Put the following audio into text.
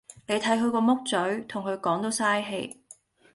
你睇佢個木嘴，同佢講都曬氣